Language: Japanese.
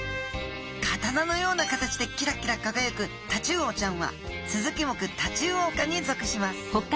刀のような形でキラキラ輝くタチウオちゃんはスズキ目タチウオ科に属します。